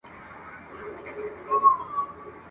چي نجات له ابوجهله رانصیب کړي !.